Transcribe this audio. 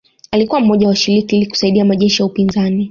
Alikuwa mmoja wa washiriki ili kusaidia majeshi ya upinzani